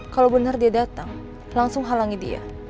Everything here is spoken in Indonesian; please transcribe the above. kalau benar dia datang langsung halangi dia